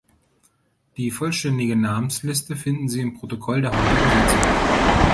Die vollständige Namensliste finden Sie im Protokoll der heutigen Sitzung.